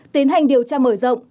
tiến hành điều tra mở rộng